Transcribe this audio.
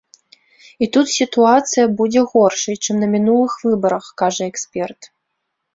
І тут сітуацыя будзе горшай, чым на мінулых выбарах, кажа эксперт.